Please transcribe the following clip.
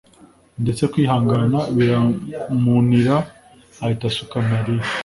ndetse kwihangana biramunira ahita asuka amarira